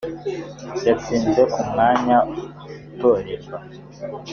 yatsinze ku mwanya utorerwa